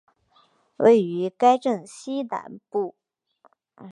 位于该镇西南部。